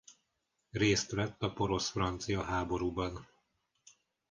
Részt vett a porosz–francia háborúban.